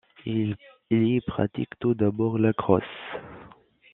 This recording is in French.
Il y pratique tout d'abord la crosse.